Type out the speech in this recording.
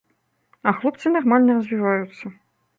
А хлопцы нармальна развіваюцца.